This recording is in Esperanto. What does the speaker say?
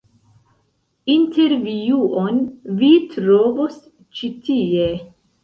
Intervjuon vi trovos ĉi tie.